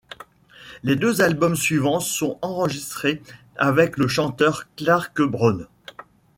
Les deux albums suivants sont enregistrés avec le chanteur Clark Brown.